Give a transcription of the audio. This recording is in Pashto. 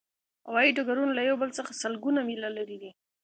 هوایی ډګرونه له یو بل څخه سلګونه میله لرې دي